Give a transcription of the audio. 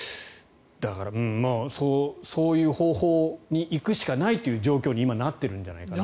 そういう方法に行くしかないという状況に今、なっているんじゃないかなと。